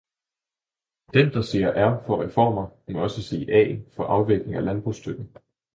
Den, der siger r for reformer, må også sige a for afvikling af landbrugsstøtten.